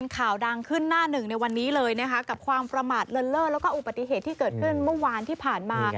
ข่าวดังขึ้นหน้าหนึ่งในวันนี้เลยนะคะกับความประมาทเลินเล่อแล้วก็อุบัติเหตุที่เกิดขึ้นเมื่อวานที่ผ่านมา